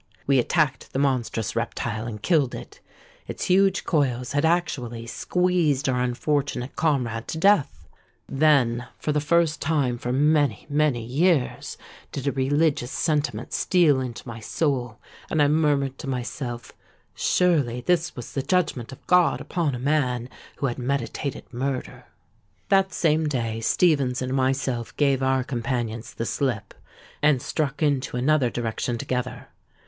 We attacked the monstrous reptile, and killed it. Its huge coils had actually squeezed our unfortunate comrade to death! Then—for the first time for many, many years—did a religious sentiment steal into my soul; and I murmured to myself: 'Surely this was the judgment of God upon a man who had meditated murder.' "That same day Stephens and myself gave our companions the slip, and struck into another direction together.